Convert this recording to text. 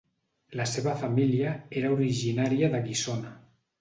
La seva família era originària de Guissona.